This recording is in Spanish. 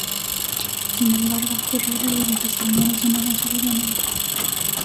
Sin embargo Ferreira le deja su dinero y su negocio de diamantes.